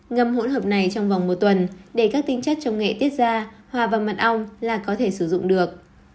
ngâm hỗn hợp này trong vòng một tuần để các tinh chất trong nghệ tiết ra hòa vào mật ong là có thể sử dụng được